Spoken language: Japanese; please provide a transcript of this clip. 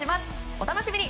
お楽しみに！